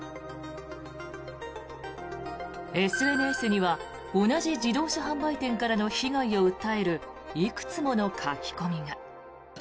ＳＮＳには同じ自動車販売店からの被害を訴えるいくつもの書き込みが。